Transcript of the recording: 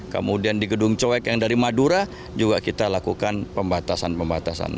kemudian di gedung coek yang dari madura juga kita lakukan pembatasan pembatasan